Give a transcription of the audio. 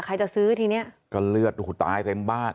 ใครจะซื้อทีเนี้ยก็เลือดโอ้โหตายเต็มบ้าน